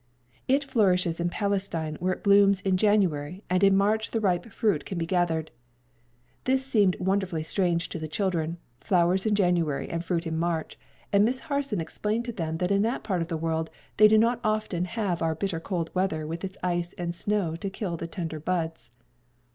It flourishes in Palestine, where it blooms in January, and in March the ripe fruit can be gathered." This seemed wonderfully strange to the children flowers in January and fruit in March; and Miss Harson explained to them that in that part of the world they do not often have our bitter cold weather with its ice and snow to kill the tender buds.